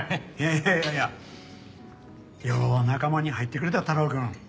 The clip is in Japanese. いやいやいやよう仲間に入ってくれた太郎くん。